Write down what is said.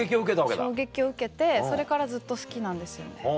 衝撃を受けてそれからずっと好きなんですよね。